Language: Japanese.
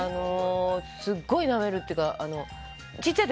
すごいなめるっていうかちっちゃい時